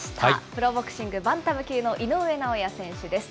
プロボクシング、バンタム級の井上尚弥選手です。